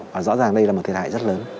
và rõ ràng đây là một thiệt hại rất lớn